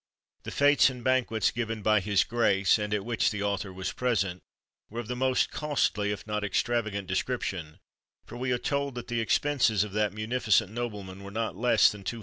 The fêtes and banquets given by his Grace and at which the author was present were of the most costly if not extravagant description, for we are told that the expenses of that munificent nobleman were not less than £200,000.